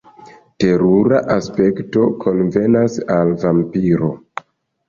Terura aspekto konvenas al vampiro.